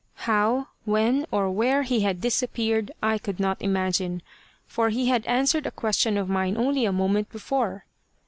How, when or where he had disappeared I could not imagine, for he had answered a question of mine only a moment before.